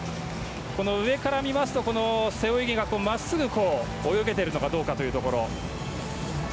上から見ますと背泳ぎが真っすぐ泳げているかどうかというところ。